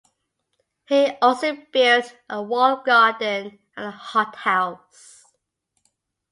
He also built a walled garden and a hothouse.